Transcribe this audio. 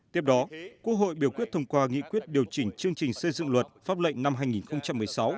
tiếp đó quốc hội biểu quyết thông qua nghị quyết điều chỉnh chương trình xây dựng luật pháp lệnh năm hai nghìn một mươi sáu